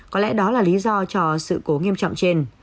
có lẽ đó là lý do cho sự cố nghiêm trọng trên